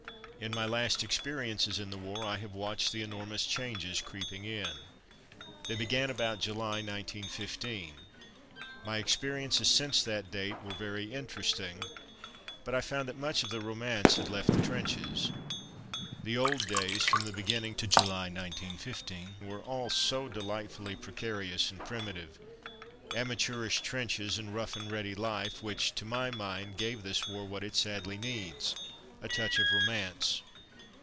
In my last experiences in the war I have watched the enormous changes creeping in. They began about July, 1915. My experiences since that date were very interesting; but I found that much of the romance had left the trenches. The old days, from the beginning to July, 1915, were all so delightfully precarious and primitive. Amateurish trenches and rough and ready life, which to my mind gave this war what it sadly needs a touch of romance.